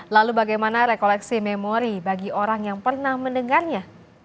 lalu bagaimana rekoleksi memori bagi orang yang pernah mendengarnya